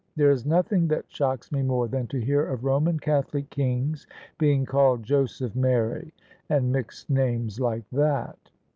There is nothing that shocks me more than to hear of Roman Catholic kings being called * Joseph Mary,' and mixed names like that."